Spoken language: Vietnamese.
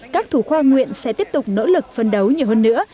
các thủ khoa nguyện sẽ tiếp tục nỗ lực phân đấu nhiều hơn nữa